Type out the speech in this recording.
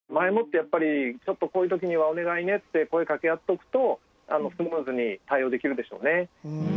やっぱり「ちょっとこういう時にはお願いね」って声かけ合っておくとスムーズに対応できるでしょうね。